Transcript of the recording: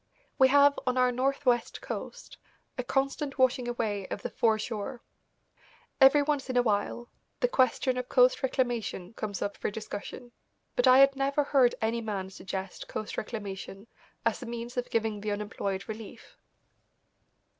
We have, on our northwest coast, a constant washing away of the fore shore. Every once in a while the question of coast reclamation comes up for discussion, but I had never heard any man suggest coast reclamation as a means of giving the unemployed relief.